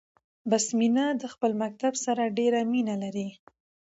بسمينه د خپل مکتب سره ډيره مينه لري 🏫